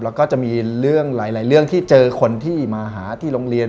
แล้วก็จะมีเรื่องหลายเรื่องที่เจอคนที่มาหาที่โรงเรียน